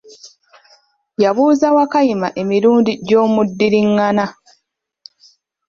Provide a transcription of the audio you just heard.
Yabuuza Wakayima emirundi gy'omuddiringana .